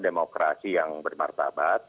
demokrasi yang bermartabat